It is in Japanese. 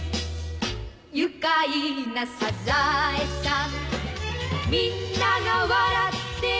「愉快なサザエさん」「みんなが笑ってる」